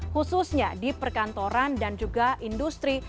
khususnya di perkantoran dan juga industri